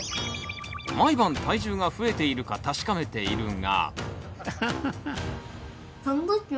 毎晩体重が増えているか確かめているが。